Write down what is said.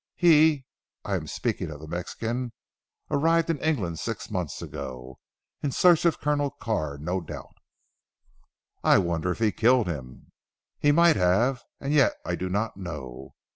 He I am speaking of the Mexican arrived in England six months ago in search of Colonel Carr no doubt." "I wonder if he killed him?" "He might have, and yet I do not know.